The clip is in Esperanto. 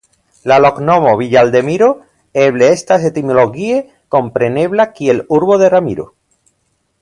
La loknomo "Villaldemiro" eble estas etimologie komprenebla kiel "Urbo de Ramiro".